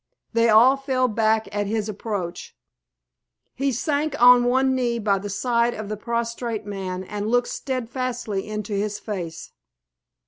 They all fell back at his approach. He sank on one knee by the side of the prostrate man and looked steadfastly into his face.